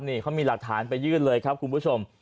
นี่เขามีหลักฐานไปยื่นเลยครับคุณผู้ชม